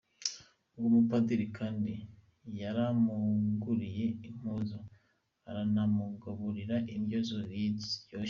Uwo mupadiri kandi yaramuguriye n'impuzu aranamugaburira indya ziryoshe.